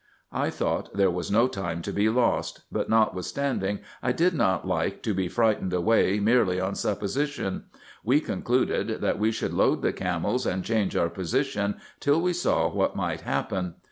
I thought there was no time to be lost ; but notwithstanding I did not like to be frightened away merely on supposition : we concluded that we should load the camels, and change our position, till we saw what might happen.